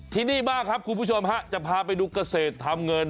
ที่นี่บ้างครับคุณผู้ชมฮะจะพาไปดูเกษตรทำเงิน